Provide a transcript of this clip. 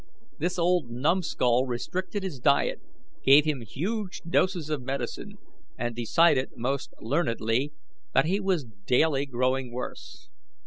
This old numskull restricted his diet, gave him huge doses of medicine, and decided most learnedly that he was daily growing worse.